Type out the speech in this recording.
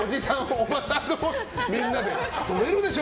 おばさんがみんな、とれるでしょ！